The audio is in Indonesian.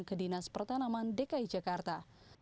ke dinas pertanaman dki jakarta